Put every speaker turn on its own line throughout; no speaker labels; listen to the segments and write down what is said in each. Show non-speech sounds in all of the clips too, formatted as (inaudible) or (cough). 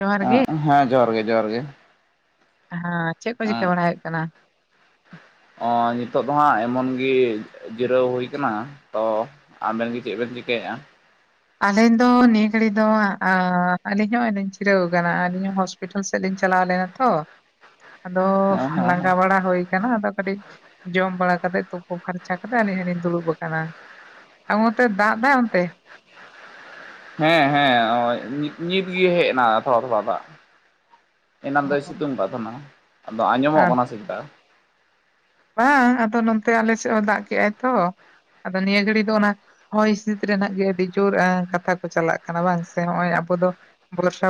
ᱡᱚᱦᱟᱨ ᱜᱮ
ᱦᱮᱸ ᱡᱚᱦᱟᱨ ᱜᱮ ᱡᱚᱦᱟᱨ ᱜᱮ ᱾
ᱦᱮᱸ ᱪᱮᱫ ᱠᱚ ᱪᱤᱠᱟᱹ ᱵᱟᱲᱟᱭ ᱦᱩᱭᱩᱜ ᱠᱟᱱᱟ?
ᱚ ᱱᱤᱛᱳ ᱫᱚ ᱦᱟᱸᱜ ᱮᱢᱚᱱ ᱜᱮ ᱡᱤᱨᱟᱹᱣ ᱦᱩᱭ ᱠᱟᱱᱟ ᱛᱚ ᱟᱵᱮᱱ ᱜᱮ ᱪᱮᱫ ᱵᱮᱱ ᱪᱤᱠᱟᱹᱭᱮᱫᱼᱟ?
ᱟᱹᱞᱤᱧ ᱫᱚ ᱱᱤᱭᱟᱹ ᱜᱷᱟᱹᱲᱤᱡ ᱫᱚ ᱟᱹᱞᱤᱧ ᱦᱚᱸᱧ ᱡᱤᱨᱟᱹᱣ ᱟᱠᱟᱱᱟ (inaudible) ᱦᱚᱥᱯᱤᱴᱟᱞ ᱥᱮᱫ ᱞᱤᱧ ᱪᱟᱞᱟᱣ ᱞᱮᱱᱟ ᱛᱚ ᱟᱫᱚ
ᱦᱮᱸ ᱦᱮᱸ
ᱞᱟᱸᱜᱟ ᱵᱟᱲᱟ ᱦᱩᱭ ᱠᱟᱱᱟ ᱟᱫᱚ ᱠᱟᱹᱴᱤᱡ ᱡᱚᱢ ᱵᱟᱲᱟ ᱠᱟᱛᱮ ᱛᱩᱯᱩ ᱯᱷᱟᱨᱪᱟ ᱠᱟᱛᱮ ᱟᱹᱞᱤᱧ ᱦᱞᱤᱧ ᱫᱩᱲᱩᱵ ᱠᱟᱱᱟ ᱾ (inaudible) ᱫᱟᱜ ᱫᱟᱭ ᱮᱚᱱᱛᱮ?
ᱦᱮᱸ ᱦᱮᱸ ᱦᱚᱸ-ᱭ ᱱᱤᱛ ᱜᱮ ᱦᱮᱡ ᱮᱱᱟ ᱛᱷᱚᱲᱟ ᱛᱷᱚᱲᱟ ᱫᱟᱜ ᱾ ᱮᱱᱟᱱ
ᱚ
ᱫᱚᱭ ᱥᱤᱛᱩᱝ ᱟᱠᱟᱫ ᱛᱟᱦᱮᱱᱟ ᱟᱫᱚ ᱟᱸᱡᱚᱢᱚᱜ ᱠᱟᱱᱟ ᱥᱮ ᱪᱮᱛᱟ?
ᱵᱟᱝ ᱟᱫᱚ ᱱᱚᱛᱮ ᱟᱞᱮ ᱥᱮᱫ ᱦᱚᱸ ᱫᱟᱜ ᱠᱮᱫᱟᱭ ᱛᱚ ᱟᱫᱚ ᱱᱤᱭᱟᱹ ᱜᱷᱟᱹᱲᱤ ᱫᱚ ᱚᱱᱟ ᱦᱚᱭ ᱦᱤᱸᱥᱤᱫ ᱨᱮᱱᱟᱜ ᱜᱮ ᱟᱹᱰᱤ ᱡᱳᱨ ᱠᱟᱛᱷᱟ ᱠᱚ ᱪᱟᱞᱟᱜ ᱠᱟᱱᱟ ᱵᱟᱝ ᱥᱮ ᱱᱚᱜᱼᱚᱭ ᱟᱵᱚ ᱫᱚ ᱵᱚᱨᱥᱟ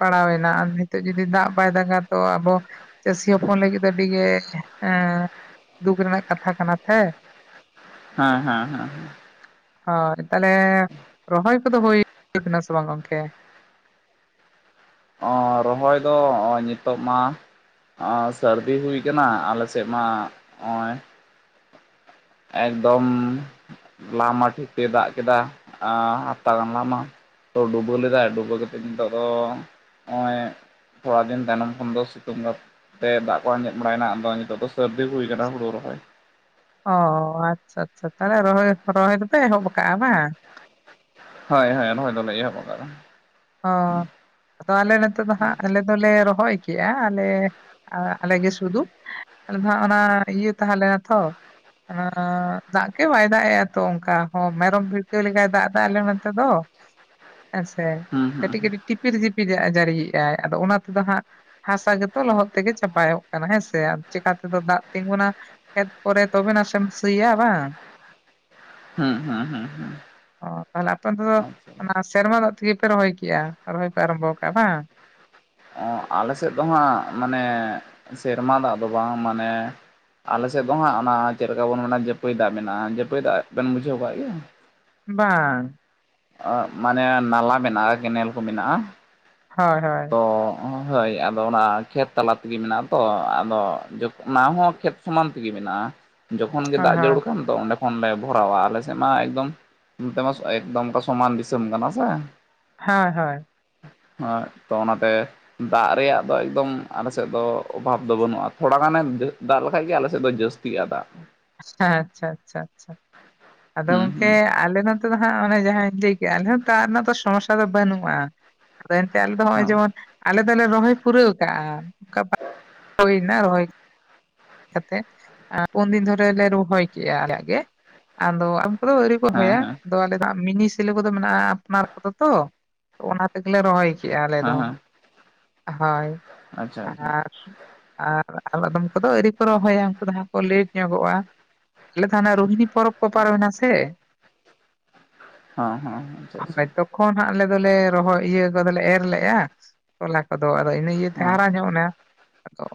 ᱯᱟᱲᱟᱣᱮᱱᱟ ᱟᱨ ᱱᱤᱛᱚᱜ ᱡᱩᱫᱤ ᱫᱟᱜ ᱵᱟᱭ ᱫᱟᱜᱟ ᱛᱚ ᱟᱵᱚ ᱪᱟᱹᱥᱤ ᱦᱚᱯᱚᱱ ᱞᱟᱹᱜᱤᱫ ᱫᱚ ᱟᱹᱰᱤᱜᱮ ᱮ ᱫᱩᱠ ᱨᱮᱱᱟᱜ ᱠᱟᱛᱷᱟ ᱠᱟᱱᱟ ᱥᱮ?
ᱦᱮᱸ ᱦᱮᱸ ᱦᱮᱸ ᱾
ᱦᱳᱭ ᱛᱟᱦᱚᱞᱮ ᱨᱚᱦᱚᱭ ᱠᱚᱫᱚ ᱦᱤᱭ ᱠᱟᱱᱟ ᱥᱮ ᱵᱟᱝ ᱜᱚᱝᱠᱮ?
ᱚ ᱨᱚᱦᱚᱭ ᱫᱚ ᱱᱚᱜᱼᱚᱭ ᱱᱤᱛᱳᱜ ᱢᱟ ᱥᱟᱹᱨᱫᱤ ᱦᱩᱭ ᱠᱟᱱᱟ ᱟᱞᱮ ᱥᱮᱫ ᱢᱟ ᱱᱚᱜᱼᱚᱭ ᱮᱠᱫᱚᱢ ᱞᱟᱢᱟ ᱴᱷᱤᱠ ᱫᱟᱜ ᱠᱮᱫᱟ ᱦᱟᱯᱛᱟ ᱜᱟᱱ ᱞᱟᱢᱟ ᱾ ᱰᱩᱵᱟᱹ ᱞᱮᱫᱟᱭ ᱰᱩᱵᱟᱹ ᱠᱟᱛᱮᱫ ᱱᱤᱛᱚᱜ ᱫᱚ ᱱᱚᱜᱼᱚᱭ ᱛᱷᱚᱲᱟ ᱫᱤᱱ ᱛᱟᱭᱱᱚᱢ ᱠᱷᱚᱱ ᱫᱚ ᱥᱤᱛᱩᱝᱛᱮ ᱫᱟᱜ ᱠᱚ ᱟᱸᱡᱮᱫ ᱵᱟᱲᱟᱭᱮᱱᱟ, ᱟᱫᱚ ᱱᱤᱛᱚᱜ ᱫᱚ ᱥᱟᱹᱨᱫᱤ ᱦᱩᱭ ᱠᱟᱱᱟ ᱦᱩᱲᱩ ᱨᱚᱦᱚᱭ ᱾
ᱚ ᱟᱪᱪᱷᱟ ᱟᱪᱪᱷᱟ ᱛᱟᱦᱚᱞᱮ ᱨᱚᱦᱚᱭ ᱨᱚᱦᱚᱭ ᱫᱚᱯᱮ ᱮᱛᱚᱦᱚᱵ ᱠᱟᱜᱼᱟ ᱵᱟᱝ?
ᱦᱳᱭ ᱦᱳᱭ ᱨᱚᱦᱚᱭ ᱫᱚᱞᱮ ᱮᱦᱚᱵ ᱠᱟᱜ-ᱟ ᱾
ᱚᱻ ᱟᱫᱚ ᱟᱞᱮ ᱱᱚᱛᱮ ᱫᱚ ᱦᱟᱸᱜ ᱟᱞᱮ ᱫᱚᱞᱮ ᱨᱚᱦᱚᱭ ᱠᱮᱜᱼᱟ ᱟᱞᱮ ᱟᱞᱮ ᱜᱮ ᱥᱩᱫᱩ ᱾ ᱟᱞᱮ ᱫᱚ ᱦᱟᱸᱜ ᱚᱱᱟ ᱤᱭᱟᱹ ᱛᱟᱦᱮᱸᱞᱮᱱᱟ ᱛᱚ ᱾ ᱚᱱᱟ ᱫᱟᱜ ᱜᱮ ᱵᱟᱭ ᱫᱟᱜ ᱮᱼᱟ ᱛᱚ ᱚᱱᱠᱟ ᱢᱮᱨᱚᱢ ᱵᱷᱤᱲᱠᱟᱹ ᱞᱮᱠᱟᱭ ᱫᱟᱜ ᱫᱟ ᱟᱞᱮ ᱱᱛᱮ ᱫᱚ ᱾ ᱦᱮᱸᱥᱮ
ᱦᱩᱸ ᱦᱩᱸ
ᱠᱟᱹᱴᱤᱡ ᱠᱟᱹᱴᱤᱡ ᱴᱤᱯᱤᱨ ᱡᱤᱯᱤᱨ ᱫᱟᱜ ᱡᱟᱹᱨᱤᱭᱮᱫᱼᱟᱭ ᱟᱫᱚ ᱚᱱᱟ ᱛᱮᱫᱚ ᱦᱟᱸᱜ ᱦᱟᱸᱥᱟ ᱜᱮᱛᱚ ᱞᱚᱦᱚᱫ ᱛᱮᱜᱮ ᱪᱟᱯᱟᱭᱚᱜ ᱠᱟᱱᱟ ᱦᱮᱸ ᱥᱮ ᱪᱮᱠᱟ ᱛᱮᱫᱚ ᱫᱟᱜ ᱛᱤᱸᱜᱩᱱᱟ? ᱠᱷᱮᱛ ᱠᱚᱨᱮ ᱛᱚᱵᱮ ᱱᱟᱥᱮᱢ ᱥᱤᱭᱟ ᱵᱟᱝ ᱾
ᱦᱩᱸ ᱦᱩᱸ ᱦᱩᱸ
ᱛᱟᱦᱚᱞᱮ ᱟᱯᱮ ᱚᱱᱛᱮ ᱫᱚ
ᱦᱩᱸ
ᱚᱱᱟ ᱥᱮᱨᱢᱟ ᱫᱟᱜ ᱛᱮᱜᱮ ᱯᱮ ᱨᱚᱦᱚᱭ ᱠᱮᱜᱼᱟ ᱨᱚᱦᱚᱭ ᱯᱮ ᱟᱨᱟᱢᱵᱷᱚ ᱟᱠᱟᱜᱼᱟ ᱵᱟᱝ?
ᱟᱻ ᱟᱞᱮ ᱥᱮᱫ ᱫᱚ ᱦᱟᱸᱜ ᱢᱟᱱᱮ ᱥᱮᱨᱢᱟ ᱫᱟᱜ ᱫᱚ ᱵᱟᱝ ᱢᱟᱱᱮ ᱟᱞᱮ ᱥᱮᱫ ᱫᱚ ᱦᱟᱸᱜ ᱚᱱᱟ ᱪᱮᱫ ᱞᱮᱠᱟ ᱵᱚᱱ ᱢᱮᱱᱟ ᱡᱟᱹᱯᱟᱹᱭ ᱫᱟᱜ ᱢᱮᱱᱟᱜᱼᱟ, ᱡᱟᱹᱯᱟᱹᱭ ᱫᱟᱜ ᱵᱮᱱ ᱵᱩᱡᱷᱟᱹᱣ ᱠᱟᱫ ᱜᱮᱭᱟ?
ᱵᱟᱝ ᱾
ᱟᱸ ᱢᱟᱱᱮ ᱱᱟᱞᱟ ᱢᱮᱱᱟᱜᱼᱟ ᱠᱮᱱᱮᱞ ᱠᱚ ᱢᱮᱱᱟᱜᱼᱟ᱾
ᱦᱳᱭ ᱦᱳᱭ ᱾
ᱛᱚ ᱦᱳᱭ ᱟᱫᱚ ᱚᱱᱟ ᱠᱷᱮᱛ ᱛᱟᱞᱟ ᱛᱮᱜᱮ ᱢᱮᱱᱟᱜᱼᱟ ᱛᱚ ᱟᱫᱚ ᱚᱱᱟ ᱡᱚᱛ ᱚᱱᱟ ᱦᱚᱸ ᱠᱷᱮᱛ ᱥᱟᱢᱟᱱ ᱛᱮᱜᱮ ᱢᱮᱱᱟᱜᱼᱟ᱾ ᱡᱚᱠᱷᱚᱱ ᱜᱮ
ᱦᱳᱭ
ᱫᱟᱜ
ᱦᱳᱭ
ᱡᱟᱹᱨᱩᱲ ᱠᱷᱟᱱ ᱫᱚ ᱚᱸᱰᱮ ᱠᱷᱚᱱ ᱞᱮ ᱵᱷᱚᱨᱟᱣᱟ ᱟᱞᱮ ᱥᱮᱫ ᱢᱟ ᱮᱠᱫᱚᱢ ᱱᱚᱛᱮᱢᱟ ᱮᱠᱫᱚᱢ ᱚᱥᱚᱢᱟᱱ ᱫᱤᱥᱚᱢ ᱠᱟᱱᱟ ᱥᱮ ᱾
ᱦᱚᱭ -ᱦᱚᱭ ᱾
ᱮᱸᱜ ᱛᱚ ᱚᱱᱟ ᱛᱮ ᱫᱟᱜ ᱨᱮᱭᱟᱜ ᱫᱚ ᱮᱠᱫᱚᱢ ᱟᱞᱮᱥᱮᱫ ᱫᱚ ᱚᱵᱷᱟᱵᱽ ᱫᱚ ᱵᱟᱹᱱᱩᱜᱼᱟ ᱛᱷᱚᱲᱟ ᱜᱟᱱᱮ ᱫᱟᱜ ᱞᱮᱠᱷᱟᱡ ᱜᱮ ᱟᱞᱮ ᱥᱮᱫ ᱛᱮᱫᱚ ᱡᱟᱹᱥᱛᱤᱜ-ᱟ ᱫᱟᱜ ᱾
ᱟᱪ-ᱪᱷᱟ -ᱟᱪ-ᱪᱷᱟ -ᱟᱪᱷᱟ -ᱟᱪᱷᱟ, ᱟᱫᱚ
ᱦᱩᱸ
ᱜᱚᱝᱠᱮ
ᱦᱩᱸ
ᱟᱞᱮ ᱫᱚ ᱛᱮᱫᱚ ᱦᱟᱸᱜ ᱚᱱᱮ ᱡᱟᱦᱟᱸᱧ ᱞᱟᱹᱭ ᱠᱮᱜᱼᱟ ᱫᱟᱜ ᱨᱮᱱᱟᱜ ᱫᱚ ᱥᱚᱢᱚᱥ-ᱥᱟ ᱫᱚ ᱵᱟᱹᱱᱩᱜᱼᱟ ᱟᱫᱚ ᱮᱱᱛᱮ ᱟᱞᱮ ᱫᱚ ᱱᱚᱜᱼᱚᱭ
ᱦᱮᱸ
ᱡᱮᱢᱚᱱ ᱟᱞᱮ ᱫᱚᱞᱮ ᱨᱚᱦᱚᱭ ᱯᱩᱨᱟᱹᱣ ᱠᱟᱜᱼᱟ ᱚᱝᱠᱚ ᱵᱟ ᱦᱳᱭ ᱱᱟ ᱨᱚᱦᱚᱭ ᱾ ᱠᱟᱛᱮᱜ, ᱟᱸ ᱯᱩᱱ ᱫᱤᱱ ᱫᱷᱚᱨᱮ ᱞᱮ ᱨᱚᱦᱚᱭ ᱠᱮᱜᱼᱟ ᱟᱞᱮᱭᱟᱜ ᱜᱮ ᱟᱫᱚ ᱠᱚᱫᱚ ᱟᱹᱣᱨᱤ ᱠᱚ ᱨᱚᱦᱚᱭᱟ
ᱦᱮᱸ
ᱛᱚ ᱟᱞᱮ ᱫᱚ ᱢᱤᱱᱤ ᱥᱮᱞᱳ ᱠᱚᱫᱚ ᱢᱮᱱᱟᱜᱼᱟ ᱟᱯᱱᱟᱨ ᱠᱚᱫᱚ ᱛᱚ, ᱚᱱᱟ ᱜᱮᱞᱮ ᱨᱚᱦᱚᱭ ᱠᱮᱜᱼᱟ ᱟᱞᱮ
ᱦᱮᱸ
ᱫᱚ
ᱦᱮᱸ
ᱦᱚᱭ,
ᱟᱪᱪᱷᱟ ᱟᱪᱪᱷᱟ
ᱟᱨ ᱟᱨ ᱟᱫᱚᱢ ᱠᱚᱫᱚ ᱟᱹᱣᱨᱤ ᱠᱚ ᱨᱚᱦᱚᱭᱟ ᱩᱱᱠᱩ ᱫᱚ ᱦᱟᱸᱜ ᱠᱚ ᱞᱮᱹᱴ ᱧᱚᱜᱚᱜᱼᱟ ᱾ ᱟᱞᱮ ᱫᱚ ᱦᱟᱱᱮ ᱨᱩᱦᱤᱱᱤ ᱯᱚᱨᱚᱵᱽ ᱠᱚ ᱯᱟᱨᱚᱢᱮᱱᱟ ᱥᱮ
ᱦᱚᱸ- ᱦᱚᱸ, ᱟᱪᱷᱟ -ᱟᱪᱷᱟ ᱾
ᱠᱷᱚᱱ ᱦᱟᱸᱜ ᱟᱞᱮ ᱫᱚᱞᱮ ᱨᱚᱦᱚ ᱤᱭᱟᱹ ᱠᱚᱫᱚ ᱞᱮ ᱮᱨ ᱞᱮᱜᱼᱟ ᱛᱚᱞᱟ ᱠᱚᱫᱚ ᱟᱫᱚ ᱤᱱᱟᱹ ᱤᱭᱟᱹᱛᱮ ᱦᱟᱨᱟ ᱧᱚᱜ ᱮᱱᱟ ᱟᱫᱚ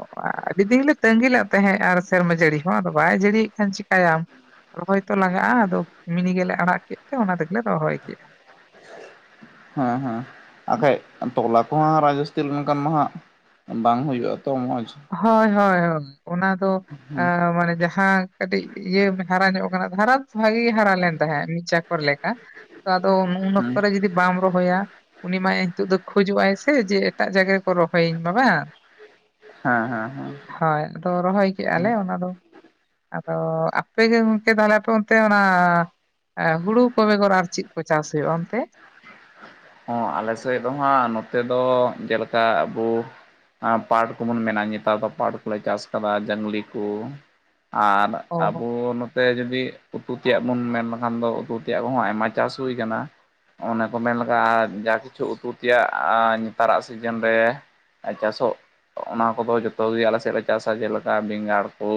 ᱟᱹᱰᱤ ᱫᱤᱱ ᱞᱮ ᱛᱟᱹᱜᱤ ᱞᱮᱜ ᱛᱟᱦᱮᱸᱜ ᱟᱨ ᱥᱮᱨᱢᱟ ᱡᱟᱹᱲᱤ ᱦᱚᱸ ᱟᱫᱚ ᱵᱟᱭ ᱡᱟᱹᱲᱤᱭᱮᱫ ᱠᱷᱟᱱ ᱪᱮᱠᱟᱭᱟᱢ? ᱨᱚᱦᱚᱭ ᱛᱚ ᱞᱟᱜᱟᱜᱼᱟ ᱟᱫᱚ ᱢᱤᱱᱤ ᱜᱮᱞᱮ ᱟᱲᱟᱜ ᱠᱮᱫ ᱛᱮ ᱚᱱᱟ ᱛᱮᱜᱮᱞᱮ ᱨᱚᱦᱚᱭ ᱠᱮᱜᱼᱟ ᱾
ᱦᱮᱸ- ᱦᱮᱸ, ᱟ ᱠᱷᱟᱡ ᱛᱚᱞᱟ ᱠᱚᱣᱟᱸ ᱨᱟᱡᱽᱥᱛᱤᱞ ᱞᱮᱱ ᱠᱷᱟᱱ ᱢᱟ ᱦᱟᱸᱜ ᱵᱟᱝ ᱦᱳᱭᱳᱜᱼᱟ ᱛᱚ ᱢᱚᱡᱽ ᱾
ᱦᱳᱭ -ᱦᱳᱭ -ᱦᱳ, ᱚᱱᱟ ᱫᱚ
ᱦᱩᱸ
ᱮᱸ ᱢᱟᱱᱮ ᱡᱟᱦᱟᱸ ᱠᱟᱹᱴᱤᱡ ᱤᱭᱟᱹ ᱦᱟᱨᱟ ᱧᱚᱜ ᱟᱠᱟᱱᱟ ᱦᱟᱨᱟ ᱫᱚ ᱵᱷᱟᱜᱮᱹᱜᱮ ᱦᱟᱨᱟ ᱞᱮᱱ ᱛᱟᱦᱮᱸᱜ ᱢᱤᱫ ᱪᱟᱠ-ᱠᱚᱨ ᱞᱮᱠᱟ ᱾ ᱛᱚ ᱟᱫᱚ ᱩᱱ
ᱦᱩᱸ
ᱚᱠᱛᱚ ᱨᱮ ᱡᱚᱫᱤ ᱯ ᱵᱟᱢ ᱨᱚᱦᱚᱭᱟ ᱩᱱᱤ ᱢᱟ ᱱᱤᱛᱚᱜ ᱫᱚ ᱠᱷᱚᱡᱚᱜᱼᱟᱭ ᱥᱮ ᱡᱮ ᱮᱴᱟᱜ ᱡᱟᱭᱜᱟ ᱨᱮᱠᱚ ᱨᱚᱦᱚᱭᱤᱹᱧ ᱢᱟ ᱵᱟᱝ ᱾
ᱦᱟᱸ- ᱦᱟᱸ -ᱦᱟᱸ ᱾
ᱦᱚᱭ, ᱟᱫᱚ ᱨᱚᱦᱚᱭ ᱠᱮᱜᱼᱟ ᱞᱮ ᱚᱱᱟ ᱫᱚ ᱾ ᱟᱫᱚ, ᱟᱯᱮ ᱜᱮ ᱜᱚᱝᱠᱮ ᱛᱟᱞᱦᱮ ᱟᱯᱮ ᱚᱱᱛᱮ ᱚᱱᱟ ᱮᱸ ᱦᱩᱲᱩ ᱠᱚ ᱵᱮᱜᱚᱨ ᱟᱨ ᱪᱤᱜ ᱠᱚ ᱪᱟᱥ ᱦᱳᱭᱳᱜᱼᱟ ᱚᱱᱛᱮ?
ᱦᱚᱸ ᱟᱞᱮ ᱥᱮᱫ ᱫᱚ ᱦᱟᱸᱜ ᱱᱚᱛᱮ ᱫᱚ ᱡᱮᱞᱮᱠᱟ ᱟᱵᱳ ᱯᱟᱴ ᱠᱚᱵᱚᱱ ᱢᱮᱱᱟ ᱱᱮᱛᱟᱨ ᱫᱚ ᱯᱟᱴ ᱠᱚᱞᱮ ᱪᱟᱥ ᱠᱟᱫᱟ ᱡᱟᱝᱞᱤ ᱠᱩ ᱟᱨ
ᱚ
ᱟᱵᱳ ᱛᱮ ᱡᱚᱫᱤ ᱩᱛᱩ ᱛᱮᱭᱟᱜ ᱵᱚᱱ ᱢᱮᱱ ᱞᱮᱠᱷᱟᱱ ᱫᱚ ᱩᱛᱩ ᱛᱮᱭᱟᱜ ᱦᱚᱸ ᱟᱭᱢᱟ ᱪᱟᱥ ᱦᱩᱭ ᱟᱠᱟᱱᱟ ᱾ ᱚᱱᱮ ᱠᱚ ᱢᱮᱱ ᱞᱟᱜᱟᱜᱼᱟ ᱡᱟ ᱠᱤᱪᱷᱩ ᱩᱛᱩ ᱛᱮᱭᱟᱜ ᱱᱮᱛᱟᱨᱟᱜ ᱥᱤᱡᱮᱱ ᱨᱮ ᱟ ᱪᱟᱥᱚᱜ ᱚᱱᱟ ᱠᱚᱫᱚ ᱡᱚᱛᱚᱜᱮ ᱟᱞᱮ ᱥᱮᱫ ᱞᱮ ᱪᱟᱥᱟ ᱡᱮᱞᱮᱠᱟ ᱵᱮᱸᱜᱟᱲ ᱠᱚ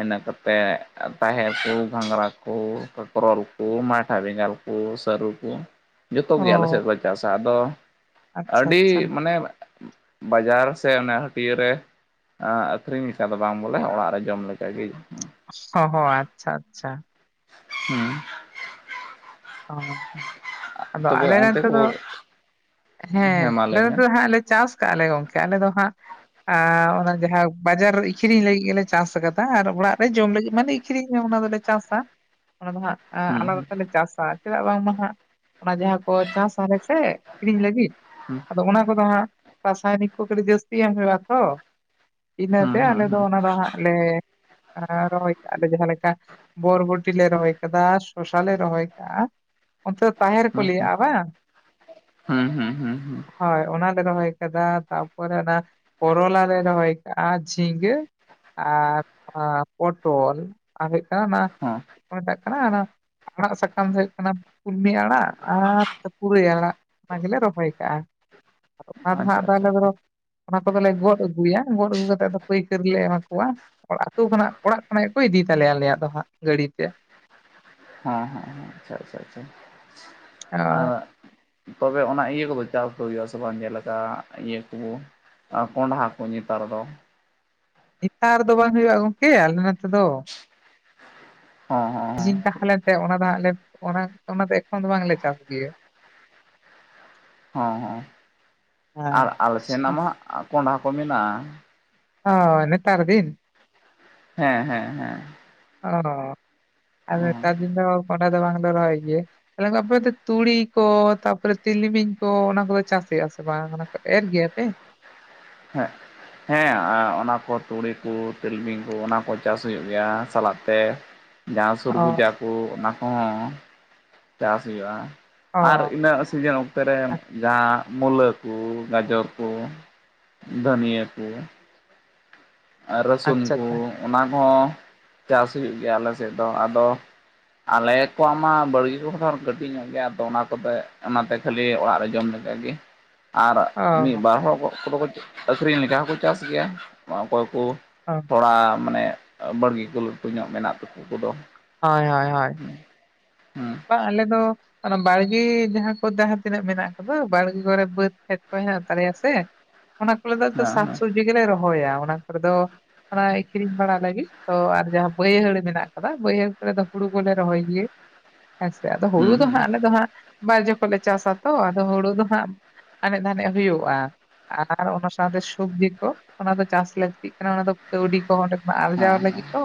ᱤᱱᱟᱹ ᱠᱟᱛᱮ ᱛᱟᱦᱮᱨ ᱠᱩ, ᱜᱷᱟᱸᱜᱽᱨᱟ ᱠᱩ, ᱠᱟᱠᱨᱚᱞ ᱠᱩ, ᱢᱟᱴᱷᱟ ᱵᱮᱸᱜᱟᱲ ᱠᱩ ᱥᱟᱹᱨᱩ ᱠᱩ ᱡᱚᱛᱚᱜ
ᱚ
ᱜᱮ ᱟᱞᱮ ᱥᱮᱫ ᱞᱮ ᱪᱟᱥᱟ ᱟᱫᱚ
ᱟᱪᱪᱷᱟ
ᱟᱹᱰᱤ
ᱟᱪᱪᱷᱟ
ᱢᱟᱱᱮ, ᱵᱟᱡᱟᱨ ᱥᱮ ᱚᱱᱟ ᱦᱟᱹᱴᱭᱟᱹ ᱨᱮ ᱟᱸ ᱟᱹᱠᱷᱨᱤᱧ ᱞᱮᱠᱟ ᱫᱚ ᱵᱟᱝ ᱵᱚᱞᱮ ᱚᱲᱟᱜ ᱨᱮ ᱡᱚᱢ ᱞᱮᱠᱟ ᱜᱮ ᱾
ᱚ-ᱦᱚ, ᱟᱪ-ᱪᱷᱟ- ᱟᱪ-ᱪᱷᱟ ᱾
ᱪᱤᱸ-, ᱦᱟᱸ-ᱦᱟᱸ-ᱦᱟᱸ (unintelligible) ᱦᱮᱸ ᱾
ᱚ ᱟᱫᱚ
ᱛᱚᱵᱮ
ᱟᱞᱮ ᱨᱮᱱ
ᱚᱱᱛᱮ
ᱛᱮ
ᱠᱚ
ᱫᱚ ᱦᱮᱸ
ᱢᱟ
ᱟᱞᱮ
ᱞᱟᱹᱭ ᱢᱮ
ᱫᱚ ᱦᱟᱸᱜ ᱞᱮ ᱪᱟᱥ ᱠᱟᱜᱼᱟ ᱞᱮ ᱜᱚᱝᱠᱮ ᱟᱞᱮ ᱫᱚ ᱦᱟᱸᱜ ᱟᱨ ᱚᱱᱟ ᱡᱟᱦᱟᱸ ᱵᱟᱡᱟᱨ ᱨᱮ ᱟᱹᱠᱷᱨᱤᱧ ᱮᱸ-ᱟᱸ ᱚᱱᱟ ᱢᱟᱦᱟᱸ ᱵᱟᱡᱟᱨ ᱨᱮ ᱤᱠᱷᱨᱤᱧ ᱞᱟᱹᱜᱤᱫ ᱜᱮᱞᱮ ᱪᱟᱥ ᱟᱠᱟᱫᱟ ᱟᱨ ᱚᱲᱟᱜ ᱨᱮ ᱡᱚᱢ ᱞᱟᱹᱜᱤᱫ ᱢᱟᱱᱮ ᱤᱠᱷᱨᱤᱧᱟ ᱚᱱᱟ ᱫᱚᱞᱮ ᱪᱟᱥ-ᱟ ᱚᱱᱟ ᱫᱚ ᱦᱟᱸᱜ
ᱦᱩᱸ
ᱟᱞᱟᱫᱟ ᱛᱮᱞᱮ ᱪᱟᱥ, ᱾ ᱪᱮᱫᱟᱜ ᱵᱟᱝᱢᱟ ᱦᱟᱜ ᱚᱱᱟ ᱡᱟᱦᱟᱸ ᱠᱚ ᱪᱟᱥ ᱟᱞᱮ ᱥᱮ ᱠᱤᱨᱤᱧ ᱞᱟᱹᱜᱤᱫᱼᱼ
ᱦᱮᱸ
ᱟᱫᱚ ᱚᱱᱟ ᱠᱚᱫᱚ ᱦᱟᱸᱜ ᱨᱟᱥᱟᱭᱱᱤᱠ ᱠᱚ ᱠᱟᱴᱤᱡ ᱡᱟᱹᱥᱛᱤ ᱮᱢ ᱦᱩᱭᱩᱜ-ᱟ ᱛᱚ᱾
ᱦᱩᱸ
ᱤᱱᱟᱹᱛᱮ
ᱦᱩᱸ ᱦᱩᱸ
ᱟᱞᱮ ᱫᱚ
ᱦᱩᱸ
ᱚᱱᱟ ᱫᱚ ᱦᱟᱸᱜ ᱞᱮ ᱨᱚᱦᱚᱭ ᱠᱟᱜᱼᱟ ᱞᱮ ᱡᱟᱦᱟᱸ ᱞᱮᱠᱟ᱾ ᱵᱚᱨᱵᱚᱴᱤ ᱞᱮ ᱨᱚᱦᱚᱭ ᱟᱠᱟᱫᱟ ᱥᱚᱥᱟ ᱞᱮ ᱨᱚᱦᱚᱭ ᱟᱠᱟᱜᱼᱟ᱾ ᱚᱱᱛᱮ ᱫᱚ ᱛᱟᱦᱮᱸᱨ ᱠᱚ
ᱦᱩᱸ ᱦᱩᱸ
ᱞᱟᱹᱭᱮᱫᱼᱟ ᱵᱟᱝ,
ᱦᱩᱸ ᱦᱩᱸ ᱦᱩᱸ ᱦᱩᱸ
ᱦᱳᱭ ᱚᱱᱟ ᱞᱮ ᱨᱚᱦᱚᱭ ᱟᱠᱟᱫ-ᱟ ᱛᱟᱨᱯᱚᱨᱮ ᱚᱱᱟ ᱠᱚᱨᱚᱞᱟ ᱞᱮ ᱨᱚᱦᱚᱭ ᱟᱠᱟᱜᱼᱟ ᱡᱷᱤᱸᱜᱟᱹᱼᱼ ᱟᱨ ᱯᱚᱴᱚᱞᱼᱼ ᱟᱨ ᱦᱩᱭᱩᱜ ᱠᱟᱱᱟ ᱚᱱᱟ ᱪᱮᱫ
ᱦᱮᱸ
ᱠᱚ ᱢᱮᱛᱟᱜ ᱠᱟᱱᱟ ᱚᱱᱟ ᱟᱜᱼᱼ ᱢᱤᱫᱴᱟᱝ ᱫᱚ ᱦᱩᱭᱩᱜ ᱠᱟᱱᱟ ᱠᱩᱞᱢᱤ ᱟᱲᱟᱜ ᱟᱨ ᱯᱩᱨᱟᱹᱭ ᱟᱲᱟᱜ ᱚᱱᱟ ᱜᱮᱞᱮ ᱨᱚᱦᱚᱭ ᱠᱟᱜᱼᱟ᱾ ᱟᱫᱚ ᱯᱟᱴᱷ
ᱟᱪᱪᱷᱟ
ᱱᱟᱦᱟᱜ
ᱟᱪᱪᱷᱟ
ᱟᱞᱮ
ᱟᱪᱪᱷᱟ
ᱫᱚ (inaudible) ᱚᱱᱟ ᱠᱚᱫᱚᱞᱮ ᱜᱚᱫ ᱟᱹᱜᱩᱭᱟ ᱜᱚᱫ ᱟᱹᱜᱩ ᱠᱟᱛᱮᱫ ᱫᱚ ᱯᱟᱹᱭᱠᱟᱹᱨ ᱞᱮ ᱮᱢᱟ ᱠᱚᱣᱟ᱾ ᱟᱛᱳ ᱠᱷᱚᱱᱟᱜ ᱚᱲᱟᱜ ᱠᱷᱚᱱᱟᱜ ᱜᱮᱠᱚ ᱤᱫᱤ ᱛᱟᱞᱮᱭᱟ ᱟᱞᱮᱭᱟᱜ ᱫᱚ ᱦᱟᱸᱜ ᱜᱟᱹᱰᱤ ᱛᱮᱼᱼ
ᱦᱮᱸ ᱦᱮᱸ ᱦᱮᱸ ᱟᱪᱪᱷᱟ ᱟᱪᱪᱷᱟ ᱟᱪᱪᱷᱟ ᱟᱼᱼ
ᱟᱨ
ᱛᱚᱵᱮ ᱚᱱᱟ ᱤᱭᱟᱹ ᱠᱚᱫᱚ ᱪᱟᱥ ᱠᱚ ᱦᱩᱭᱩᱜ ᱟ ᱥᱮ ᱵᱟᱝ ᱡᱮ ᱞᱮᱠᱟ ᱤᱭᱟᱹ ᱠᱚ᱾ ᱟᱨ ᱠᱳᱱᱰᱟ ᱠᱚ ᱱᱮᱛᱟᱨ ᱫᱚ᱾
ᱱᱮᱛᱟᱨ ᱫᱚ ᱵᱟᱝ ᱦᱩᱭᱩᱜᱼᱟ ᱜᱚᱢᱠᱮ ᱟᱞᱮ ᱱᱚᱛᱮ ᱫᱚ᱾
ᱦᱚᱸ ᱦᱚᱸ ᱦᱚᱸ
ᱤᱱ ᱛᱟᱦᱮᱸ ᱞᱮᱱᱛᱮ ᱚᱱᱟ ᱫᱚ ᱦᱟᱜ ᱞᱮ ᱚᱱᱟ ᱫᱚ ᱮᱠᱷᱚᱱ ᱫᱚ ᱵᱟᱝᱞᱮ ᱪᱟᱥ ᱜᱮᱭᱟ᱾
ᱦᱚ ᱦᱚ ᱟᱨ
ᱦᱮᱸ
ᱟᱞᱮ ᱥᱮᱱᱟᱜ ᱢᱟ ᱠᱚᱸᱰᱷᱟ ᱠᱚ ᱢᱮᱱᱟᱜᱼᱟ᱾
ᱚ ᱱᱮᱛᱟᱨ ᱫᱤᱱ᱾
ᱦᱮᱸ ᱦᱮᱸ ᱦᱮᱸ᱾
ᱚ ᱟᱨ ᱱᱮᱛᱟᱨ ᱫᱤᱱ ᱫᱚ ᱠᱳᱱᱰᱷᱟ ᱫᱚ ᱵᱟᱝᱞᱮ ᱨᱚᱦᱚᱭ ᱜᱮᱭᱟ᱾ ᱛᱟᱦᱞᱮ ᱟᱯᱮ ᱫᱚ ᱛᱩᱲᱤ ᱠᱚ ᱛᱟᱯᱚᱨᱮ ᱛᱤᱞᱢᱤᱧ ᱠᱚ ᱚᱱᱟ ᱠᱚᱫᱚ ᱪᱟᱥ ᱦᱩᱭᱩᱜᱼᱟ ᱥᱮ ᱵᱟᱝ ᱚᱱᱟ ᱠᱚ ᱮᱨ ᱜᱮᱭᱟᱯᱮ?
ᱦᱮᱸ᱾ ᱦᱮᱸ ᱚᱱᱟ ᱠᱚ ᱛᱩᱲᱤ ᱠᱚ ᱛᱤᱞᱢᱤᱧ ᱠᱚ ᱚᱱᱟ ᱠᱚ ᱪᱟᱥ ᱦᱩᱭᱩᱜ ᱜᱮᱭᱟ ᱥᱟᱞᱟᱜ ᱛᱮ᱾ ᱡᱟᱦᱟᱸ
ᱚ
ᱥᱩᱨᱜᱩᱡᱟ ᱠᱚ ᱚᱱᱟ ᱠᱚᱦᱚᱸᱼᱼ ᱪᱟᱥ ᱦᱩᱭᱩᱜᱼᱟ
ᱚ
ᱟᱨ ᱤᱱᱟᱹᱜ ᱥᱤᱡᱮᱱ ᱚᱱᱛᱮ ᱨᱮ ᱡᱟᱦᱟᱸᱼᱼ ᱢᱩᱞᱟᱹ ᱠᱩ ᱜᱟᱡᱚᱨ ᱠᱩ ᱫᱷᱟᱹᱱᱤᱭᱟᱹ ᱠᱩ ᱟᱨ ᱨᱟᱹᱥᱩᱱ
ᱟᱪᱪᱷᱟ
ᱠᱩ
ᱟᱪᱪᱷᱟ
ᱚᱱᱟ ᱦᱚᱸ ᱪᱟᱥ ᱦᱩᱭᱩᱜ ᱜᱮᱭᱟ ᱟᱞᱮ ᱥᱮᱫ ᱫᱚ ᱟᱫᱚᱼᱼ ᱟᱞᱮ ᱠᱚᱣᱟᱜ ᱢᱟ ᱵᱟᱲᱜᱮ ᱠᱚ ᱦᱚ ᱢᱟ ᱠᱟᱹᱴᱤᱡ ᱧᱚᱜ ᱜᱮᱭᱟ ᱟᱫᱚ ᱚᱱᱟ ᱠᱚᱛᱮ ᱚᱱᱟᱛᱮ ᱠᱷᱟᱹᱞᱤ ᱚᱲᱟᱜ ᱨᱮ ᱡᱚᱢ ᱞᱮᱠᱟ ᱜᱮᱼᱼ
(unintelligible)
ᱟᱨ ᱢᱤᱫ
ᱚ
ᱵᱟᱨ ᱦᱚᱲ ᱠᱚᱫ ᱠᱚ ᱦᱚ ᱠᱚ ᱟᱹᱠᱷᱨᱤᱧ ᱞᱮᱠᱟ ᱦᱚᱸᱠᱚ ᱪᱟᱥ ᱜᱮᱭᱟ ᱚᱠᱚᱭ ᱠᱚ᱾
ᱦᱚ (inaudible)
ᱛᱷᱚᱲᱟ ᱢᱟᱱᱮ ᱵᱟᱹᱲᱜᱤ ᱠᱚ ᱞᱟᱹᱴᱩ ᱧᱚᱜ ᱢᱮᱱᱟᱜ ᱛᱟᱠᱚ ᱠᱚᱫᱚ᱾
ᱦᱚᱭ ᱦᱚᱭ ᱦᱚᱭ᱾
ᱦᱮᱸ ᱦᱮᱸ
ᱵᱟᱝ ᱟᱞᱮ ᱫᱚᱼᱼ ᱚᱱᱟ ᱵᱟᱲᱜᱮ ᱡᱟᱦᱟᱸ ᱠᱚ ᱡᱟᱦᱟᱸ ᱛᱤᱱᱟᱹᱜ ᱢᱮᱱᱟᱜ ᱠᱟᱫᱚ ᱵᱟᱲᱜᱮ ᱠᱚᱨᱮ ᱵᱟᱹᱫᱽ ᱠᱷᱮᱛ ᱠᱚ ᱦᱮᱱᱟᱜ ᱛᱟᱞᱮᱭᱟ ᱥᱮᱼᱼ ᱚᱱᱟ ᱠᱚᱨᱮ ᱫᱚ
ᱦᱮᱸ
ᱥᱟᱠᱥᱚᱵᱽᱡᱤ ᱜᱮᱞᱮ ᱨᱚᱦᱚᱭᱟ ᱚᱱᱟ ᱠᱚᱨᱮ ᱫᱚ᱾ ᱚᱱᱟ ᱟᱠᱷᱨᱤᱧ ᱵᱟᱲᱟ ᱞᱟᱹᱜᱤᱫ ᱛᱚ ᱟᱨ ᱡᱟᱦᱟᱸ ᱵᱟᱹᱭᱦᱟᱹᱲ ᱢᱮᱱᱟᱜ ᱟᱠᱟᱫᱟ ᱵᱟᱹᱭᱦᱟᱹᱲ ᱠᱚᱨᱮ ᱫᱚ ᱦᱩᱲᱩ ᱠᱚᱞᱮ ᱨᱚᱦᱚᱭ ᱜᱤᱭᱟ᱾ ᱦᱮᱥᱮ ᱟᱫᱚ ᱦᱩᱲᱩ
ᱦᱩᱸ
ᱫᱚ
ᱦᱩᱸ
ᱦᱟᱸᱜ ᱟᱞᱮ ᱫᱚ ᱦᱟᱸᱜ ᱵᱟᱨ ᱡᱚᱠᱷᱚᱡ ᱞᱮ ᱪᱟᱥ ᱟᱛᱚ ᱟᱫᱚ ᱦᱩᱲᱩ ᱫᱚ ᱦᱟᱸᱜᱼᱼ ᱟᱱᱮᱡ ᱫᱷᱟᱱᱮᱡ ᱦᱩᱭᱩᱜᱼᱟ᱾ ᱟᱨ ᱚᱱᱟ ᱥᱟᱶᱛᱮ ᱥᱚᱵᱽᱡᱤ ᱠᱚ ᱚᱱᱟ ᱫᱚ ᱪᱟᱥ ᱞᱟᱹᱠᱛᱤᱜ ᱠᱟᱱᱟ ᱚᱱᱟ ᱫᱚ ᱠᱟᱹᱣᱰᱤ ᱠᱚᱸᱦᱚᱸ ᱚᱰᱮᱼᱼ
ᱦᱮᱸ
ᱟᱨᱡᱟᱣ ᱞᱟᱹᱜᱤᱫ ᱛᱚ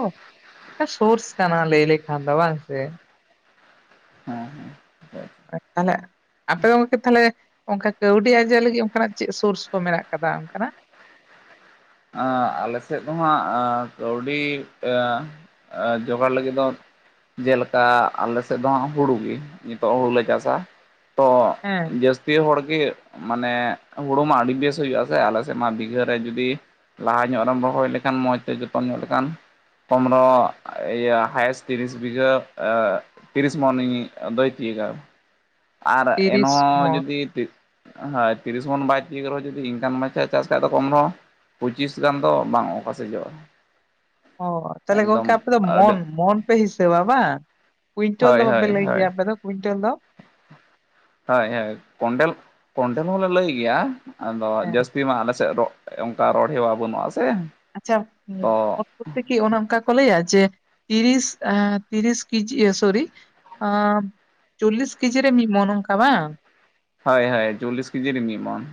ᱢᱤᱫᱴᱟᱝ ᱥᱳᱨᱥᱚᱥ ᱠᱟᱱᱟ ᱞᱟᱹᱭ ᱞᱮᱠᱷᱟᱱ ᱫᱚ ᱵᱟᱝ ᱥᱮ᱾
ᱦᱮᱸ ᱦᱮᱸ ᱦᱮᱸ
ᱛᱟᱦᱚᱞᱮᱼᱼ ᱟᱯᱮ ᱜᱚᱝᱠᱮ ᱛᱟᱦᱚᱞᱮ ᱚᱱᱠᱟ ᱠᱟᱹᱣᱰᱤ ᱟᱨᱡᱟᱣ ᱞᱟᱹᱜᱤᱫ ᱚᱱᱠᱟ ᱱᱟᱜ ᱪᱮᱫ ᱥᱳᱨᱥ ᱠᱚ ᱢᱮᱱᱟᱜ ᱟᱠᱟᱫᱟ ᱚᱱᱠᱟ ᱱᱟᱜ?
ᱟᱜ ᱟᱞᱮ ᱥᱮᱫ ᱫᱚ ᱦᱟᱸᱜ (inaudible) ᱠᱟᱹᱣᱰᱤ (inaudible) ᱡᱚᱜᱟᱲ ᱞᱟᱹᱜᱤᱫ ᱫᱚ ᱡᱮᱞᱮᱠᱟ ᱟᱞᱮ ᱥᱮᱫ ᱫᱚ ᱦᱟᱸᱜ ᱦᱩᱲᱩ ᱜᱮ ᱱᱤᱛᱚᱜ ᱦᱩᱲᱩ ᱞᱮ ᱪᱟᱥᱟ ᱛᱚ
ᱦᱮᱸ
ᱡᱟᱹᱥ ᱛᱤ ᱦᱚᱲ ᱜᱮ ᱢᱟᱱᱮ ᱦᱩᱲᱩ ᱢᱟ ᱟᱹᱰᱤ ᱵᱮᱥ ᱦᱩᱭᱩᱜᱼᱟ ᱥᱮ ᱟᱞᱮ ᱥᱮᱜ ᱢᱟ ᱵᱤᱜᱷᱟᱹ ᱨᱮ ᱡᱩᱫᱤ ᱞᱟᱦᱟ ᱧᱚᱜ ᱨᱮᱢ ᱨᱚᱦᱚᱭ ᱞᱮᱠᱷᱟᱱ, ᱢᱚᱸᱡᱽ ᱛᱮ ᱡᱚᱛᱚᱱ ᱧᱚᱜ ᱞᱮᱠᱷᱟᱱ, ᱯᱚᱱᱨᱚ ᱤᱭᱟᱹ ᱦᱟᱭᱮᱥ ᱛᱤᱨᱤᱥ ᱵᱤᱜᱷᱟᱹ (inaudible) ᱛᱤᱨᱤᱥ ᱢᱚᱱᱤᱧ ᱟᱫᱟᱭ ᱛᱤᱭᱳᱜᱟ ᱟᱨ
ᱛᱤᱨᱤᱥ
ᱮᱱᱦᱚᱸ
ᱢᱚᱱ
ᱡᱩᱫᱤ ᱦᱳᱭ, ᱛᱤᱨᱤᱥ ᱢᱚᱱ ᱵᱟᱭ ᱛᱤᱭᱳᱜ ᱨᱮᱦᱚᱸ ᱡᱩᱫᱤ ᱤᱱᱠᱟᱱ ᱢᱟᱪᱷᱟ ᱪᱟᱥ ᱠᱷᱟᱡ ᱫᱚ ᱠᱚᱢ ᱨᱮᱦᱚᱸ ᱯᱚᱸᱪᱤᱥ ᱜᱟᱱ ᱫᱚ ᱵᱟᱝ ᱚᱠᱟᱥᱮᱡᱚᱜᱼᱟ ᱾
ᱚ, ᱛᱟᱞᱦᱮ ᱜᱚᱝᱠᱮ ᱟᱯᱮ ᱫᱚ
ᱟᱹᱰᱤ
ᱢᱚᱱ ᱢᱚᱱ ᱯᱮ ᱦᱤᱥᱟᱹᱵᱟ ᱵᱟᱝ? ᱠᱩᱭᱤᱱᱴᱚᱞ
ᱦᱳᱭ
ᱫᱚ ᱵᱟᱯᱮ
ᱦᱳᱭ
ᱞᱟᱹᱭ
ᱦᱳᱭ
ᱠᱮᱭᱟ ᱟᱯᱮ ᱫᱚ ᱠᱩᱭᱤᱱᱴᱚᱞ ᱫᱚ ᱾
ᱦᱳᱭ ᱦᱳᱭ, ᱠᱚᱱᱰᱮᱞ ᱠᱚᱱᱰᱮᱞ ᱦᱚᱸᱞᱮ ᱞᱟᱹᱭ ᱜᱮᱭᱟ, ᱟᱫᱚ
ᱦᱮᱸ
ᱡᱟᱹᱥᱛᱤ ᱢᱟ ᱟᱞᱮ ᱥᱮᱫ ᱨᱚᱜ ᱚᱝᱠᱟ ᱨᱚᱲ ᱦᱮᱣᱟ ᱵᱟᱹᱱᱩᱜᱼᱟ ᱥᱮ ᱾
ᱟᱪᱪᱷᱟ (inaudible) ᱯᱨᱚᱛᱷᱮᱠᱮ ᱚᱱᱮ ᱚᱱᱠᱟ ᱠᱚ ᱞᱟᱹᱭᱟ ᱡᱮ, ᱛᱤᱨᱤᱥ (inaudible) ᱛᱤᱨᱤᱥ ᱠᱮᱡᱤ ᱥᱚᱨᱤ ᱟ, ᱪᱚᱞᱞᱤᱥ ᱠᱮᱡᱤ ᱨᱮ ᱢᱤᱫ ᱢᱚᱱ ᱚᱝᱠᱟ ᱵᱟᱝ?
ᱦᱚᱭ ᱦᱚᱭ, ᱪᱚᱞᱞᱤᱥ ᱠᱮᱡᱤᱨᱮ ᱢᱤᱜᱢᱚᱱ ᱾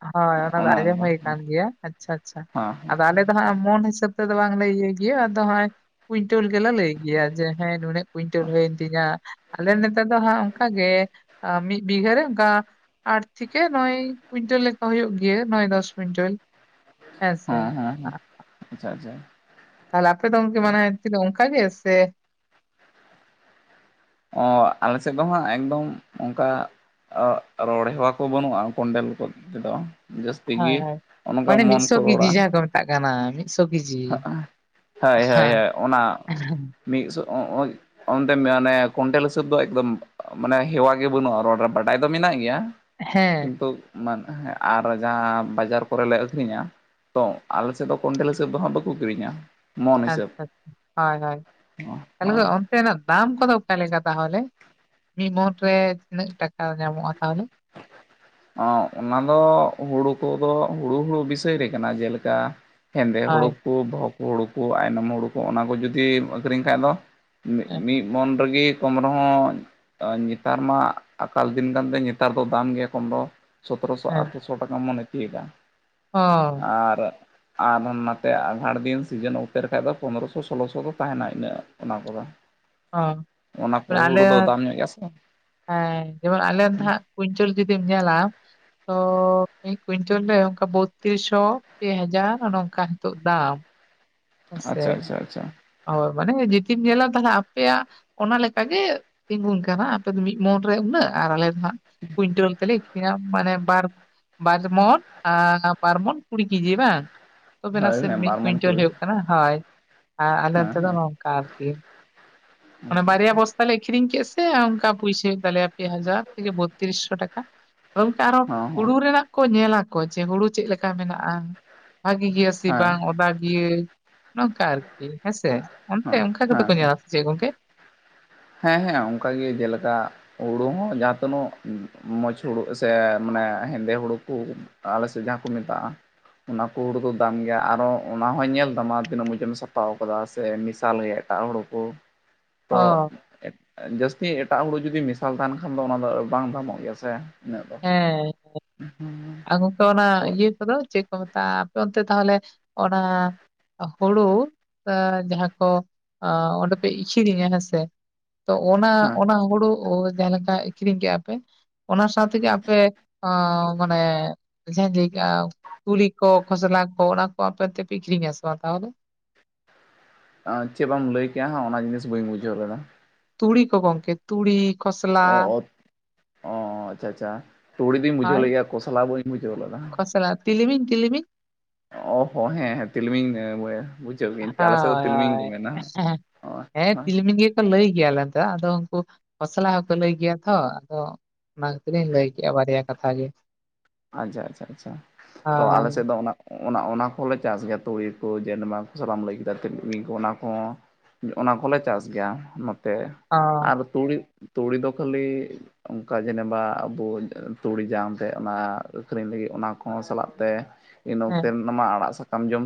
ᱦᱳᱭ, ᱚᱱᱟ ᱫᱚ ᱟᱸᱡᱚᱢ ᱦᱳᱭ ᱠᱟᱱ ᱜᱮᱭᱟ ᱾ ᱟᱪᱪᱷᱟ ᱟᱪᱪᱷᱟ,
ᱦᱮᱸ ᱦᱮᱸ
ᱟᱫᱚ ᱟᱞᱮ ᱫᱚ ᱦᱟᱸᱜ ᱢᱚᱱ ᱦᱤᱥᱟᱹᱵᱽ ᱛᱮ ᱫᱚ ᱵᱟᱝ ᱞᱮ ᱤᱭᱟᱹᱭ ᱜᱮᱭᱟ ᱟᱫᱚ ᱦᱚᱸᱜᱼᱚᱭ ᱠᱩᱭᱤᱱᱴᱚᱞ ᱜᱮᱞᱮ ᱞᱟᱹᱭ ᱜᱮᱭᱟ, ᱡᱮ ᱦᱮᱸ ᱱᱩᱱᱟᱹᱜ ᱠᱩᱭᱤᱱᱴᱚᱞ ᱦᱳᱭᱮᱱ ᱛᱤᱧᱟᱹ ᱾ ᱟᱞᱮ ᱱᱚᱛᱮ ᱫᱚ ᱦᱟᱸᱜ ᱚᱱᱠᱟ ᱜᱮ ᱢᱤᱫ ᱵᱤᱜᱷᱟᱹᱨᱮ ᱚᱱᱠᱟ ᱟᱴ ᱛᱷᱮᱠᱮ ᱱᱚᱭ ᱠᱩᱭᱤᱱᱴᱚᱞ ᱞᱮᱠᱟ ᱦᱩᱭᱩᱜ ᱜᱮᱭᱟ ᱱᱚᱭ ᱫᱚᱥ ᱠᱩᱭᱤᱱᱴᱚᱞ ᱾
ᱦᱮᱸ ᱦᱮᱸ ᱦᱮᱸ, ᱟᱪᱪᱷᱟ ᱟᱪᱪᱷᱟ ᱾
ᱛᱷᱟᱞᱮ ᱟᱯᱮ ᱫᱚ ᱜᱚᱝᱠᱮ ᱢᱟᱱᱮ ᱚᱝᱠᱟ ᱜᱮ ᱥᱮ?
ᱚ, ᱟᱞᱮ ᱥᱮᱫ ᱫᱚ ᱦᱟᱸᱜ ᱮᱠᱫᱚᱢ ᱚᱱᱠᱟ ᱾ (inaudible) ᱨᱚᱲ ᱦᱮᱣᱟ ᱠᱚ ᱵᱟᱹᱱᱩᱜᱼᱟ ᱠᱚᱱᱰᱮᱞ ᱠᱚ ᱛᱮᱫᱚ ᱾ ᱡᱟᱹᱥᱛᱤ
ᱦᱳᱭ
ᱜᱮ ᱚᱱᱠᱟ ᱢᱚᱱ ᱠᱷᱚᱲᱟ ᱾
ᱛᱟᱜ ᱠᱟᱱᱟ ᱢᱤᱫ ᱥᱤᱥ
(inaudible) ᱦᱳᱭ ᱦᱳᱭ ᱦᱳᱭ, ᱚᱱᱟ ᱢᱤᱫ (inaudible) ᱚᱱᱛᱮ ᱢᱟᱱᱮ ᱠᱚᱱᱴᱮᱞ ᱦᱤᱥᱟᱹᱵ ᱫᱚ ᱮᱠᱫᱚᱢ ᱢᱟᱱᱮ ᱦᱮᱣᱟ ᱜᱮ ᱵᱟᱹᱱᱩᱜᱼᱟ ᱨᱚᱲ ᱨᱮ, ᱵᱟᱰᱟᱭ ᱫᱚ ᱢᱮᱱᱟᱜ ᱜᱮᱭᱟ ᱾
ᱦᱮᱸ
ᱠᱤᱱᱛᱩ, ᱢᱟᱱ ᱦᱮᱸ ᱟᱨ ᱡᱟᱦᱟᱸ ᱵᱟᱡᱟᱨ ᱠᱚᱨᱮ ᱞᱮ ᱟᱹᱠᱷᱨᱤᱧᱟ ᱛᱚ ᱟᱞᱮ ᱥᱮᱫ ᱫᱚ ᱠᱚᱱᱴᱮᱞ ᱛᱮᱫ ᱫᱚ ᱦᱟᱸᱜ ᱵᱟᱠᱚ ᱠᱤᱨᱤᱧᱟ ᱾
ᱟᱪᱪᱷᱟ ᱟᱪᱪᱷᱟ, ᱦᱳᱭ ᱦᱳᱭ ᱾ (unintelligible) ᱚᱱ ᱥᱮᱱᱟᱜ ᱫᱟᱢ ᱠᱚᱫᱚ ᱚᱠᱟ ᱞᱮᱠᱟ ᱛᱟᱦᱚᱞᱮ ᱢᱤᱫ ᱢᱚᱱ ᱨᱮ ᱛᱤᱱᱟᱹᱜ ᱴᱟᱠᱟ ᱧᱟᱢᱚᱜᱼᱟ ᱛᱟᱦᱚᱞᱮ?
ᱚᱸ ᱚᱱᱟ ᱫᱚ ᱦᱩᱲᱩ ᱠᱚᱫᱚ ᱦᱩᱲᱩ ᱦᱩᱲᱩ ᱵᱤᱥᱚᱭ ᱨᱮ ᱠᱟᱱᱟ ᱡᱮᱞᱮᱠᱟ ᱦᱮᱸᱫᱮ ᱦᱩᱲᱩ
ᱦᱳᱭ
ᱠᱚ ᱵᱚᱦᱚᱜ ᱠᱚ ᱦᱩᱲᱩ ᱠᱚ ᱟᱭᱱᱚᱢ ᱦᱩᱲᱩ ᱠᱚ ᱚᱱᱟ ᱠᱚ ᱡᱚᱫᱤᱢ ᱟᱹᱠᱷᱨᱤᱧ ᱠᱷᱟᱡ ᱫᱚ ᱾ ᱢᱤᱜ
ᱦᱮᱸ
ᱢᱤᱜ ᱢᱚᱱ ᱨᱮᱜᱮ ᱠᱚᱢ ᱨᱮᱦᱚᱸ ᱮᱸ ᱱᱮᱛᱟᱨ ᱢᱟ ᱟᱠᱟᱞ ᱫᱤᱱ ᱠᱟᱱᱛᱮ ᱱᱮᱛᱟᱨ ᱫᱚ ᱫᱟᱢ ᱜᱮᱭᱟ ᱠᱚᱢ ᱫᱚ ᱾ ᱥᱚᱛᱚᱨᱚᱥᱚ ᱟᱴᱷᱨᱚᱥᱚ ᱴᱟᱠᱟ ᱢᱚᱱᱮ ᱛᱤᱭᱟᱜᱟ ᱾
ᱚᱻ ᱾
ᱟᱨ, ᱟᱨ ᱱᱟᱛᱮ ᱟᱸᱜᱷᱟᱲ ᱫᱤᱱ ᱥᱤᱡᱮᱱ ᱚᱠᱛᱮ ᱨᱮᱠᱷᱟᱡ ᱫᱚ ᱯᱚᱱᱨᱚᱥᱚ ᱥᱳᱞᱳ ᱥᱚ ᱫᱚ ᱛᱟᱦᱮᱱᱟ ᱤᱱᱟᱹᱜ ᱚᱱᱟ ᱠᱚᱫᱚ ᱾
ᱚ,
ᱫᱚ
ᱟᱞᱮᱭᱟᱜ
ᱫᱟᱢ ᱧᱚᱜ ᱜᱮᱭᱟ ᱥᱮ
ᱦᱮᱸ ᱡᱮᱢᱚᱱ ᱟᱞᱮ ᱫᱟ ᱦᱟᱸᱜ ᱾ ᱠᱚᱧᱪᱚᱞ ᱡᱩᱫᱤᱢ ᱧᱮᱞᱟ ᱛᱚ ᱢᱤᱫ ᱠᱩᱭᱤᱱᱴᱚᱞ ᱨᱮ ᱚᱱᱠᱟ ᱵᱚᱛᱛᱤᱨᱤᱥ ᱥᱚ ᱯᱮ ᱦᱟᱡᱟᱨ ᱚᱱᱮ ᱚᱱᱠᱟ ᱱᱤᱛᱚᱜ ᱫᱟᱢ ᱾ ᱦᱮᱸ ᱥᱮ,
ᱟᱪᱪᱷᱟ ᱟᱪᱪᱷᱟ ᱟᱪᱪᱷᱟ
ᱚ ᱢᱟᱱᱮ ᱡᱩᱫᱤᱢ ᱧᱮᱞᱟ ᱛᱟᱦᱚᱞᱮ ᱟᱯᱮᱭᱟᱜ ᱚᱱᱟ ᱞᱮᱠᱟᱜᱮ ᱛᱤᱜᱩᱱ ᱠᱟᱱᱟ, ᱟᱯᱮ ᱫᱚ ᱢᱤᱫ ᱢᱚᱱ ᱨᱮ ᱩᱱᱟᱹᱜ ᱟᱨ ᱟᱞᱮ ᱦᱟᱸᱜ ᱠᱩᱭᱤᱱᱴᱟᱹᱞ ᱛᱮ ᱞᱮ ᱟᱹᱠᱷᱨᱤᱧᱟ, ᱢᱟᱱᱮ ᱵᱟᱨ ᱵᱟᱨ ᱢᱚᱱ, ᱟᱸ ᱵᱟᱨ ᱢᱚᱱ ᱠᱩᱲᱤ ᱠᱤᱡᱤ ᱵᱟᱝ? ᱛᱚᱵᱮ
ᱦᱳᱭ
ᱱᱟᱥᱮ
ᱦᱮᱸ
ᱢᱤᱫ
ᱵᱟᱨᱢᱚᱱ
ᱠᱩᱭᱤᱱᱴᱟᱞ
ᱠᱩᱲᱤ
ᱦᱩᱭᱩᱜ ᱠᱟᱱᱟ ᱦᱚᱭ ᱟᱨ ᱟᱞᱮ
ᱦᱮᱸ
ᱱᱚᱛᱮ ᱫᱚ
ᱦᱮᱸ
ᱱᱚᱝᱠᱟ ᱟᱨᱠᱤ᱾ ᱚᱱᱟ
ᱟᱪᱪᱷᱟ
ᱵᱟᱨᱭᱟ
ᱟᱪᱪᱷᱟ
ᱵᱚᱥᱛᱟ ᱞᱮ ᱟᱹᱠᱷᱨᱤᱧ ᱠᱮᱫ ᱥᱮ ᱚᱱᱠᱟ ᱯᱩᱭᱥᱟᱹ ᱦᱩᱭᱩᱜ ᱛᱟᱞᱮᱭᱟ ᱯᱮ ᱦᱟᱡᱟᱨ ᱛᱷᱮᱠᱮ ᱵᱚᱛᱛᱨᱤᱥᱼᱥᱚ ᱴᱟᱠᱟ᱾ ᱜᱚᱝᱠᱮ ᱟᱨᱚ
ᱦᱚᱸ ᱦᱚᱸ
ᱦᱩᱲᱩ ᱨᱮᱱᱟᱜ ᱠᱚ ᱧᱮᱞᱟᱠᱚ ᱡᱮ ᱦᱩᱲᱩ ᱪᱮᱫ ᱞᱮᱠᱟ ᱢᱮᱱᱟᱜᱼᱟ, ᱵᱷᱟᱹᱜᱤ ᱜᱮᱭᱟ ᱪᱮ
ᱦᱮᱸ
ᱵᱟᱝ ᱚᱫᱟ ᱜᱤᱭᱟᱹ ᱱᱚᱝᱠᱟ ᱟᱨᱠᱤ ᱦᱮᱸ ᱥᱮ, ᱚᱱᱛᱮ
ᱦᱮᱸ
ᱚᱱᱠᱟ ᱜᱮᱛᱚ
ᱦᱮᱸ
ᱠᱚ
ᱦᱮᱸ
ᱧᱮᱞᱟ ᱥᱮ ᱪᱮᱫ ᱜᱚᱝᱠᱮ?
ᱦᱮᱸ ᱦᱮᱸ ᱚᱝᱠᱟ ᱜᱮ ᱡᱮᱞᱮᱠᱟ ᱦᱩᱲᱩ ᱦᱚᱸ ᱡᱟᱦᱟᱸ ᱛᱤᱱᱳᱜ ᱢᱚᱡᱽ ᱦᱳᱲᱳ ᱥᱮ ᱢᱟᱱᱮ ᱦᱮᱸᱫᱮ ᱦᱳᱲᱳ ᱠᱚ ᱟᱞᱮ ᱥᱮᱫ ᱡᱟᱦᱟᱸ ᱠᱚ ᱢᱮᱛᱟᱜᱼᱟ ᱚᱱᱟ ᱠᱚ ᱦᱳᱲᱳ ᱫᱚ ᱫᱟᱢ ᱜᱮᱭᱟ, ᱟᱨᱚ ᱚᱱᱟ ᱦᱚᱸᱭ ᱧᱮᱞ ᱛᱟᱢᱟ ᱛᱤᱱᱟᱹᱜ ᱢᱚᱡᱽ ᱮᱢ ᱥᱟᱯᱟᱣ ᱠᱟᱫᱟ ᱥᱮ ᱢᱮᱥᱟᱞ ᱜᱮ ᱮᱴᱟᱜ ᱦᱩᱲᱩ ᱠᱚ᱾
(inaudible)
ᱛᱚ ᱡᱟᱹᱥᱛᱤ ᱮᱴᱟᱜ ᱦᱩᱲᱩ ᱡᱩᱫᱤ ᱢᱮᱥᱟᱞ ᱛᱟᱦᱮᱱ ᱠᱷᱟᱱ ᱫᱚ ᱚᱱᱟ ᱫᱚ ᱵᱟᱝ ᱫᱟᱢᱚᱜ ᱜᱮᱭᱟ ᱥᱮ ᱤᱱᱟᱹᱜ ᱫᱚ᱾
ᱦᱮᱸᱻ᱾
ᱦᱩᱸ ᱾
ᱟᱨ ᱜᱚᱝᱠᱮ ᱚᱱᱟ ᱤᱭᱟᱹ ᱠᱚᱫᱚ ᱪᱮᱫ ᱠᱚ ᱢᱮᱛᱟᱜᱼᱟ? ᱟᱯᱮ ᱚᱱᱛᱮ ᱛᱟᱦᱚᱞᱮ ᱚᱱᱟ ᱦᱳᱲᱳ ᱡᱟᱦᱟᱸ ᱠᱚ ᱚᱸᱰᱮ ᱯᱮ ᱤᱠᱷᱤᱲᱤᱧᱟ ᱦᱮᱸ ᱥᱮ ᱛᱚ ᱚᱱᱟ
ᱦᱮᱸ
ᱚᱱᱟ ᱦᱳᱲᱳ ᱡᱟᱦᱟᱸ ᱞᱮᱠᱟ ᱟᱹᱠᱷᱨᱤᱧ ᱠᱮᱜᱼᱟ ᱯᱮ ᱚᱱᱟ ᱥᱟᱶ ᱛᱮᱜᱮ ᱟᱯᱮ ᱚᱸᱻ ᱢᱟᱱᱮ ᱡᱟᱦᱟᱧ ᱞᱟᱹᱭ ᱠᱮᱜᱼᱟ ᱛᱩᱞᱤ ᱠᱚ, ᱠᱷᱚᱥᱞᱟ ᱠᱚ ᱚᱱᱟ ᱠᱚ ᱟᱯᱮ ᱚᱱᱛᱮ ᱯᱮ ᱟᱠᱷᱨᱤᱧᱟ ᱥᱮ ᱵᱟᱝ ᱛᱟᱦᱚᱞᱮ?
ᱟᱸ ᱪᱮᱫ ᱵᱟᱢ ᱞᱟᱹᱭ ᱠᱮᱜ-ᱟ ᱦᱟᱸᱜ ᱚᱱᱟ ᱡᱤᱱᱤᱥ ᱵᱟᱹᱧ ᱵᱩᱡᱷᱟᱹᱣ ᱞᱮᱫᱟ᱾
ᱛᱩᱲᱤ ᱠᱚ ᱜᱚᱝᱠᱮ ᱛᱩᱲᱤ, ᱠᱷᱚᱥᱞᱟ
ᱚ ᱚ ᱟᱪᱪᱷᱟ ᱟᱪᱷᱟ ᱛᱩᱲᱤ ᱫᱩᱧ ᱵᱩᱡᱷᱟᱹᱣ
ᱦᱳᱭ
ᱞᱮᱫ ᱜᱮᱭᱟ, ᱠᱚᱥᱞᱟ ᱵᱟᱹᱧ ᱵᱩᱡᱷᱟᱹᱣ ᱞᱮᱫᱟ᱾
ᱠᱷᱚᱥᱞᱟ ᱛᱤᱞᱢᱤᱧ ᱛᱤᱞᱢᱤᱧ
ᱚ ᱦᱚᱸ ᱦᱮᱸ ᱦᱮᱸ ᱛᱤᱞᱢᱤᱧ ᱵᱩᱡᱷᱟᱹᱣ ᱠᱤᱫᱟᱹᱧ ᱟᱞᱮ ᱥᱮᱫ ᱫᱚ
ᱦᱳᱭ
ᱛᱤᱞᱢᱤᱧ ᱠᱚ
ᱦᱳᱭ,
ᱢᱮᱱᱟ ᱚ ᱟᱪᱪᱷᱟ
ᱦᱮᱸ ᱛᱤᱞᱢᱤᱧ ᱜᱮ᱾ ᱞᱟᱹᱭ ᱜᱮᱭᱟ ᱟᱞᱮ ᱚᱱᱛᱮ, ᱟᱫᱚ ᱩᱝᱠᱩ ᱠᱷᱚᱥᱞᱟ ᱦᱚᱸᱠᱚ ᱞᱟᱹᱭ ᱜᱮᱭᱟ ᱛᱚ ᱟᱫᱚ ᱚᱱᱟ ᱠᱷᱟᱹᱛᱤᱨᱤᱧ ᱞᱟᱹᱭ ᱠᱮᱜᱼᱟ ᱵᱟᱨᱭᱟ ᱠᱟᱛᱷᱟ ᱜᱮ᱾
ᱟᱪᱪᱷᱟ ᱟᱪᱪᱷᱟ ᱟᱪᱪᱷᱟ, ᱛᱚ ᱟᱞᱮ
ᱦᱳᱭ
ᱥᱮᱫ ᱫᱚ ᱚᱱᱟ ᱚᱱᱟ ᱚᱱᱟ ᱠᱚᱦᱚᱸ ᱞᱮ ᱪᱟᱥ ᱜᱮᱭᱟ, ᱛᱩᱲᱤ ᱠᱚ ᱡᱮᱱ ᱢᱟ ᱠᱷᱚᱥᱞᱟᱢ ᱞᱟᱹᱭ ᱠᱮᱫᱟ ᱛᱤᱞᱢᱤᱧ ᱠᱚ ᱚᱱᱟ ᱠᱚᱦᱚᱸ ᱚᱱᱟ ᱠᱚᱦᱚᱸᱞᱮ ᱪᱟᱥ ᱜᱮᱭᱟ ᱱᱚᱛᱮ
ᱚ
ᱟᱨ ᱛᱩᱲᱤ ᱛᱩᱲᱤ ᱫᱚ ᱠᱷᱟᱹᱞᱤ ᱚᱱᱠᱟ ᱡᱮᱱᱮᱵᱟ ᱟᱵᱚ ᱛᱩᱲᱤ ᱡᱟᱝ ᱛᱮᱫ ᱚᱱᱟ ᱟᱹᱠᱷᱨᱤᱧ ᱞᱟᱹᱜᱤᱫ ᱚᱱᱟ ᱠᱚᱦᱚᱸ ᱥᱟᱞᱟᱜ ᱛᱮ ᱤᱱᱟᱹ
ᱦᱮᱸ
ᱚᱠᱛᱮ ᱚᱱᱟ ᱟᱲᱟᱜ ᱥᱟᱠᱟᱢ ᱡᱚᱢ